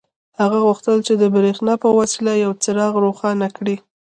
هغه غوښتل چې د برېښنا په وسیله یو څراغ روښانه کړي